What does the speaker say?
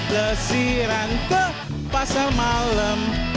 lesiran ke pasar malam